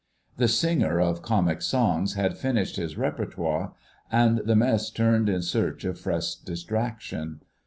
The singer of comic songs had finished his repertoire, and the Mess turned in search of fresh distraction.